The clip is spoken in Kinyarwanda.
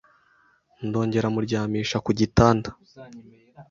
ndongera muryamisha ku gitanda